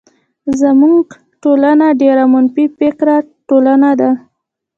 زمونږ ټولنه ډيره منفی فکره ټولنه ده.